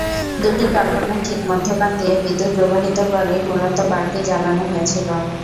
দুটি কার্বনের ঠিক মধ্যখান দিয়ে বিদ্যুৎ প্রবাহিত করেই মূলত বাল্বটি জ্বালানো হয়েছিল।